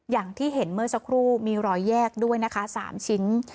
อย่างที่เห็นเมื่อสักครู่มีรอยแยกด้วยนะคะ๓ชิ้น